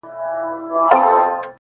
کوم ښاغلي «فضول علوم» ګڼلي دي